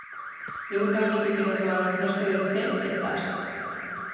Debutan os pequenos do baloncesto de Cee e Zas.